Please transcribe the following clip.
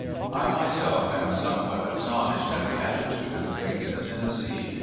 I myself am somewhat astonished at the attitude of things in Tennessee.